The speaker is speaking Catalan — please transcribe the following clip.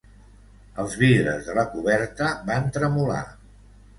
Els vidres de la coberta van tremolar